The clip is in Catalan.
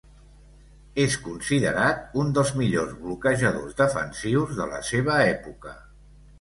És considerat un dels millors bloquejadors defensius de la seva època.